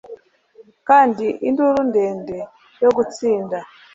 Kandi induru ndende yo gutsinda